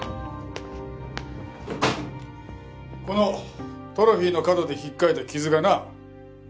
このトロフィーの角で引っかいた傷がな。